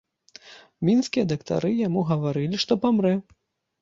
Мінскія дактары яму гаварылі, што памрэ.